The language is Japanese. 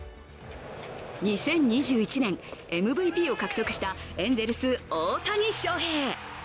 ２０２１年ＭＶＰを獲得したエンゼルス・大谷翔平。